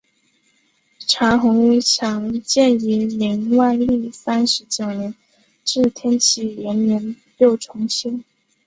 长虹桥建于明万历三十九年至天启元年又重修。